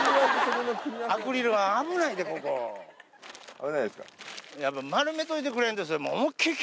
危ないですか？